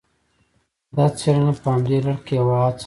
دا څېړنه په همدې لړ کې یوه هڅه ده